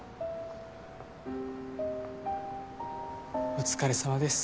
お疲れさまです。